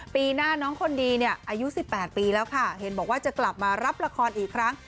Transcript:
ปีหน้าน้องคนดีเนี่ยอายุ๑๘ปีแล้วค่ะเห็นบอกว่าจะกลับมารับละครอีกครั้ง